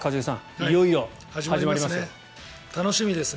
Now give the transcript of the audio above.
いよいよ始まりますよ。